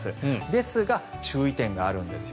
ですが、注意点があるんです。